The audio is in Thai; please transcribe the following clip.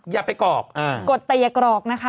อย่าไปกรอกกดแต่อย่ากรอกนะคะ